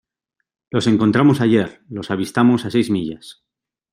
los encontramos ayer. los avistamos a seis millas .